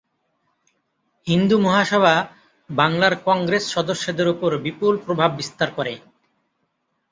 হিন্দু মহাসভা বাংলার কংগ্রেস সদস্যদের ওপর বিপুল প্রভাব বিস্তার করে।